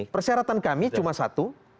persyaratan kami cuma satu